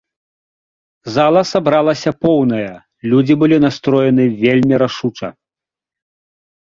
Зала сабралася поўная, людзі былі настроены вельмі рашуча.